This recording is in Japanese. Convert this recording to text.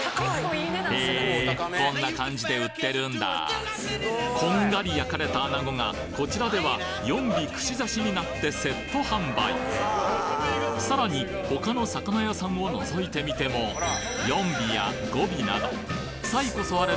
へぇこんな感じで売ってるんだこんがり焼かれた穴子がこちらでは４尾串刺しになってセット販売さらに他の魚屋さんを覗いてみても４尾や５尾など差異こそあれ